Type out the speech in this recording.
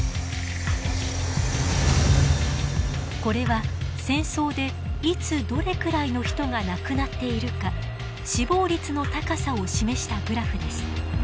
これは戦争でいつどれくらいの人が亡くなっているか死亡率の高さを示したグラフです。